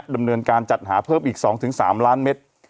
ดำเนินการจัดหาเพิ่มอีก๒๓ล้านเมตร